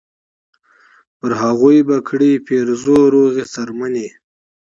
پر هغو به کړي پیرزو روغې څرمنې